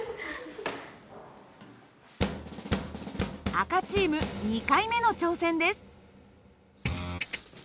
赤チーム２回目の挑戦です。